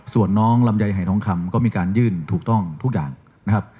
ส่วนน้องลำไยหายทองคำก็มีการยื่นถูกต้องทุกอย่างนะครับ